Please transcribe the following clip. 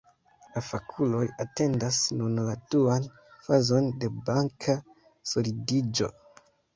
La fakuloj atendas nun la duan fazon de banka solidiĝo.